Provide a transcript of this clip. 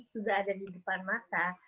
sudah ada di depan mata